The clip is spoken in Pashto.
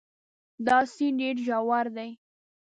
دا سیند ډېر ژور دی.